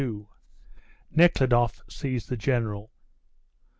NEKHLUDOFF SEES THE GENERAL.